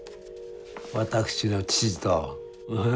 私の父と。